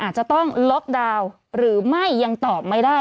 อาจจะต้องล็อกดาวน์หรือไม่ยังตอบไม่ได้